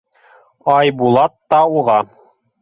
Айбулат та уға: